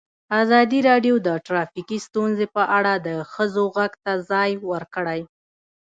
ازادي راډیو د ټرافیکي ستونزې په اړه د ښځو غږ ته ځای ورکړی.